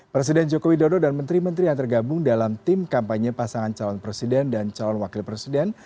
presiden jokowi dodo dan menteri menteri yang tergabung dalam tim kampanye pasangan calon presiden dan calon wakil presiden